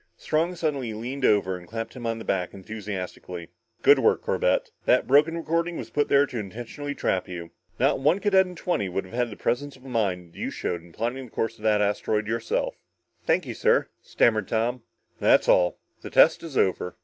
Strong suddenly leaned over and clapped him on the back enthusiastically. "Good work, Corbett. That broken recording was put there intentionally to trap you. Not one cadet in twenty would have had the presence of mind you showed in plotting the course of that asteroid yourself." "Thank you, sir," stammered Tom. "That's all the test is over.